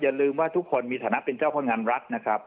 อย่าลืมว่าทุกคนมีฐานะเป็นเจ้าพนักงานรัฐนะครับ